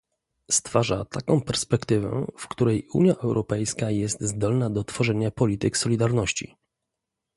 Stwarza taką perspektywę, w której Unia Europejska jest zdolna do tworzenia polityk solidarności